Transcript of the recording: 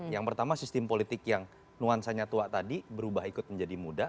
yang pertama sistem politik yang nuansanya tua tadi berubah ikut menjadi muda